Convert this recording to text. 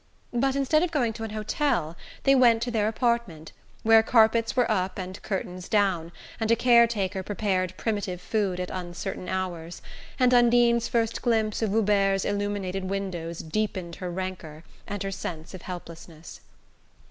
But instead of going to an hotel they went to their apartment, where carpets were up and curtains down, and a care taker prepared primitive food at uncertain hours; and Undine's first glimpse of Hubert's illuminated windows deepened her rancour and her sense of helplessness.